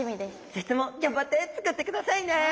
是非ともギャんばって作ってくださいね。